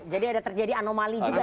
jadi ada terjadi anomali juga ya